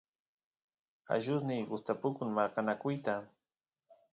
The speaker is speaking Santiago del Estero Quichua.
allusniy gustapukun marqanakuyta